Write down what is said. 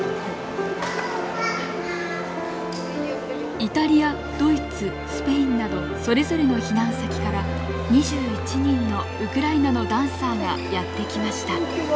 イタリアドイツスペインなどそれぞれの避難先から２１人のウクライナのダンサーがやって来ました。